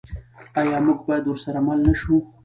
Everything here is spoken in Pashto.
آیا موږ باید ورسره مل نشو؟